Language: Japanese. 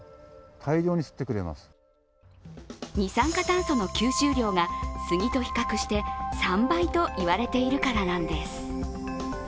二酸化炭素の吸収量が杉と比較して３倍と言われているからなんです。